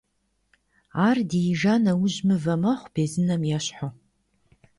Ар диижа нэужь мывэ мэхъу, безынэм ещхьу.